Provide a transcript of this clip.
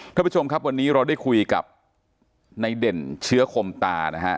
ท่านผู้ชมครับวันนี้เราได้คุยกับในเด่นเชื้อคมตานะฮะ